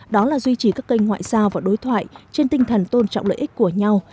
đó là duy trì các kênh ngoại giao và đối thoại trên tinh thần tôn trọng lợi ích của nhau